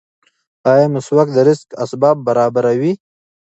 ایا مسواک د رزق اسباب برابروي؟